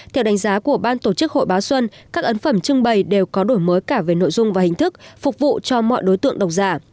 theo đánh giá của ban tổ chức hội báo xuân các ấn phẩm trưng bày đều có đổi mới cả về nội dung và hình thức phục vụ cho mọi đối tượng độc giả